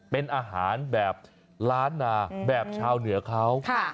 เป็นอาหารแบบล้านนาแบบชาวเหนือเขา